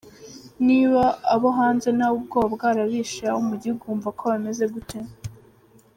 Niba abo hanze nabo ubwoba bwarabishe, abo mu gihugu wumva ko bameze gute?